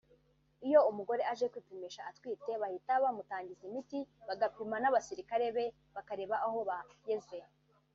Iyo umugore aje kwipimisha atwite bahita bamutangiza imiti bagapima n’abasirikare be bakareba aho bageze